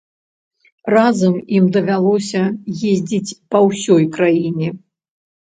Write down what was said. Разам ім давялося ездзіць па ўсёй краіне.